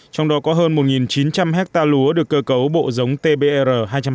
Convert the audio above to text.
trong đó có hơn một chín trăm linh hectare lúa được cơ cấu bộ giống tbr hai trăm năm mươi